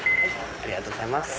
ありがとうございます。